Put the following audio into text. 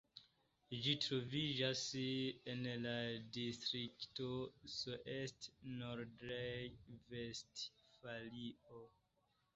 Ĝi troviĝas en la distrikto Soest, Nordrejn-Vestfalio.